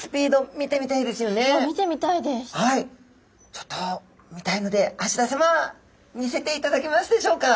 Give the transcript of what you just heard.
ちょっと見たいので蘆田さま見せていただけますでしょうか。